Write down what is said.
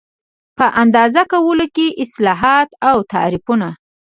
په اندازه کولو کې اصطلاحات او تعریفونه